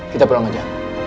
kita pulang aja